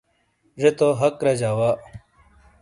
زے تو حق رجا وا